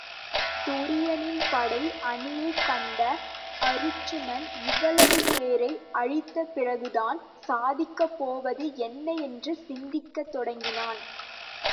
துரியனின் படை அணியைக் கண்ட அருச்சுனன் இவ்வளவு பேரை அழித்தபிறகு தான் சாதிக்கப்போவது என்ன என்று சிந்திக்கத் தொடங்கினான்.